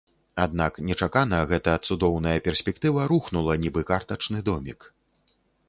Аднак нечакана гэта цудоўная перспектыва рухнула нібы картачны домік.